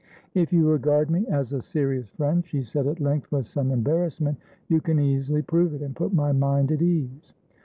"If you regard me as a serious friend," she said at length with some embarrassment, "you can easily prove it, and put my mind at ease."